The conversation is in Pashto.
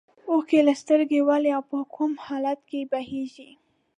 اوښکې له سترګو ولې او په کوم حالت کې بهیږي.